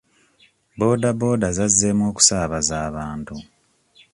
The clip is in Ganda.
Booda booda zazzeemu okusaabaza abantu.